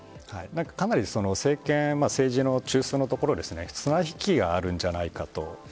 かなり政権政治の中枢のところで綱引きがあるんじゃないかと。